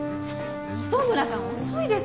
糸村さん遅いですよ！